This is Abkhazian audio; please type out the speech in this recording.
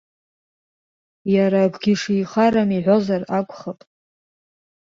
Иара акгьы шихарам иҳәозар акәхап.